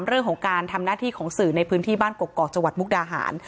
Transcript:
เรื่องของการทำหน้าที่ของสื่อในพื้นที่บ้านกกอกจังหวัดมุกดาหาร